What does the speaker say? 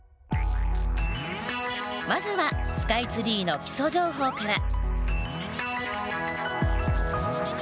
まずはスカイツリーの基礎情報から。